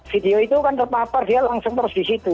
video itu kan terpapar dia langsung terus di situ